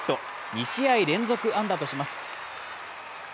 ２試合連続安打とします。